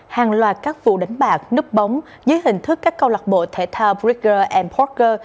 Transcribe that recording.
hàng loạt các vụ đánh bạc núp bóng dưới hình thức các câu lạc bộ thể thao breaker porker